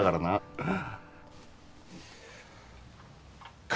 うん。